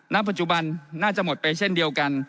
ณปัจจุบันน่าจะหมดไปเช่นเดียวกัน